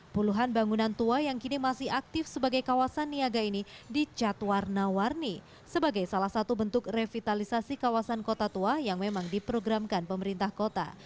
puluhan bangunan tua yang kini masih aktif sebagai kawasan niaga ini dicat warna warni sebagai salah satu bentuk revitalisasi kawasan kota tua yang memang diprogramkan pemerintah kota